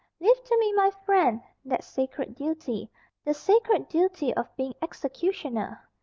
"Leave to me, my friend, that sacred duty the sacred duty of being executioner.